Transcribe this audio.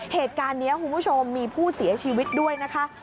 เหตุการณ์นี้มีผู้เสียชีวิตด้วยนะคะ